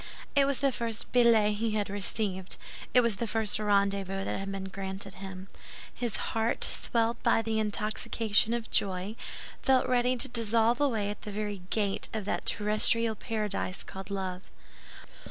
It was the first billet he had received; it was the first rendezvous that had been granted him. His heart, swelled by the intoxication of joy, felt ready to dissolve away at the very gate of that terrestrial paradise called Love!